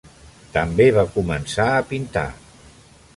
També va començar a pintar.